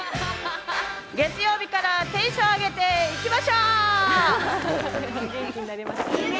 月曜日からテンション上げていきましょー！